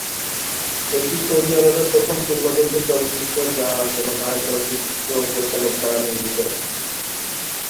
এটি সৌদি আরবের প্রথম পূর্ণদৈর্ঘ্য চলচ্চিত্র যা কোন নারী চলচ্চিত্র পরিচালক দ্বারা নির্মিত।